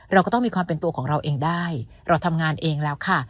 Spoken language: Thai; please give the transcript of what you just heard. เราก็ต้องมีความเป็นตัวของเราเองได้เราทำงานเองแล้วค่ะ